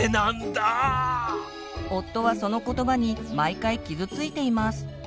夫はその言葉に毎回傷ついています。